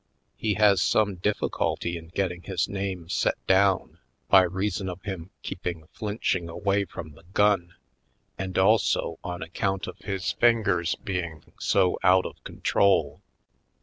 He has some difficulty in getting his name set down by reason of him keeping flinching away from the gun and also on account of his fingers being so out of control.